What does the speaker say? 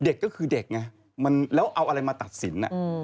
เด็กก็คือเด็กไงแล้วเอาอะไรมาตัดสิน